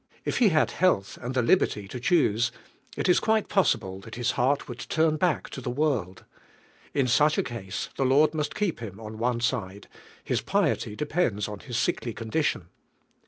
If he had health and the liberty to choose, it is quite possible that his heart irould turn ba, ck to the world. In such a case the Lord must keep him on one side; his pasty depends en his sickly condition.